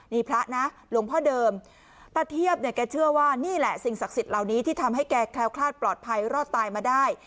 นี่พระนะหลวงพ่อเดิมตะเทียบเนี่ยแกเชื่อว่านี่แหละสิ่งศักดิ์สิทธิ์เหล่านี้ที่ทำให้แกแคล้วคลาดปลอดภัยรอดตายมาได้